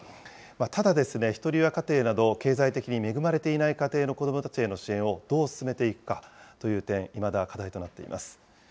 ただですね、ひとり親家庭など、経済的に恵まれていない家庭の子どもたちへの支援をどう進めていくかという点、いまだ課題となっています。